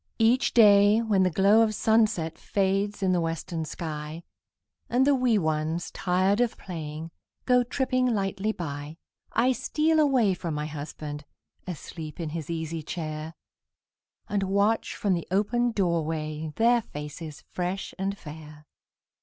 Each day, when the glow of sunset Fades in the western sky, And the wee ones, tired of playing, Go tripping lightly by, I steal away from my husband, Asleep in his easy chair, And watch from the open door way Their faces fresh and fair.